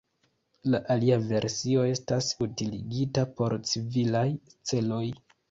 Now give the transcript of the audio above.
La alia versio estas utiligita por civilaj celoj.